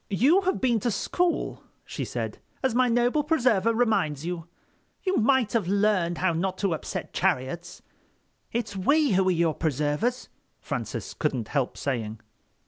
"You have been to school," she said, "as my noble preserver reminds you. You might have learned how not to upset chariots." "It's we who are your preservers," Francis couldn't help saying.